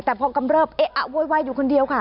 แต่พอกำเริบเอ๊ะอะโวยวายอยู่คนเดียวค่ะ